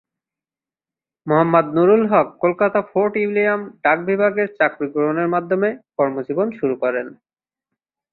Mohammad Nurul Haque Kolkata Fort William ডাক বিভাগে চাকুরী গ্রহণের মাধ্যমে কর্ম জীবন শুরু করেন।